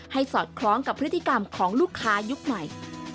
สอดคล้องกับพฤติกรรมของลูกค้ายุคใหม่